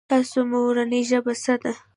تاسو مورنۍ ژبه څه ده ؟